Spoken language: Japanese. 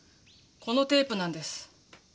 このテープなんです。